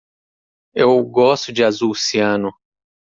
Eu gosto de azul ciano.